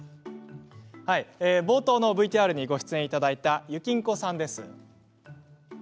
冒頭のＶＴＲに出演いただいたゆきんこさんです。